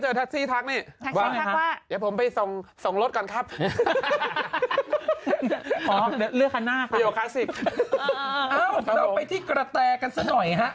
เราไปที่กระแตกันซะหน่อยฮะ